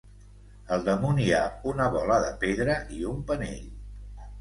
Al damunt hi ha una bola de pedra i un penell.